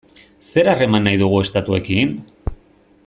Zer harreman nahi dugu estatuekin?